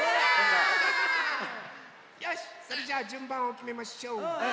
よしそれじゃじゅんばんをきめましょう。